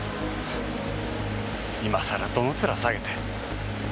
今さらどの面下げて。